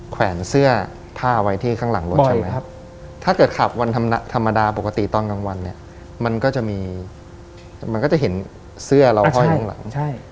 แขวนเสื้อผ้าไว้ที่ข้างหลังรถใช่ไหมครับถ้าเกิดขับวันธรรมดาปกติตอนกลางวันเนี่ยมันก็จะมีมันก็จะเห็นเสื้อเราห้อยข้างหลัง